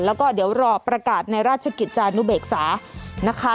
แล้วก็เดี๋ยวรอประกาศในราชกิจจานุเบกษานะคะ